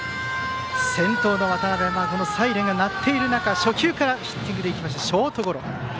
先頭の渡邊サイレンが鳴っている中初球からヒッティングでいきまして、ショートゴロ。